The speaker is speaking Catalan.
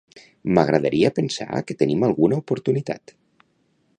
M'agradaria pensar que tenim alguna oportunitat.